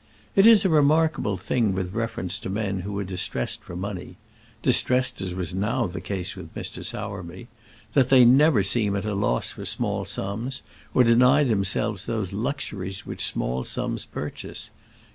It is a remarkable thing with reference to men who are distressed for money distressed as was now the case with Mr. Sowerby that they never seem at a loss for small sums, or deny themselves those luxuries which small sums purchase.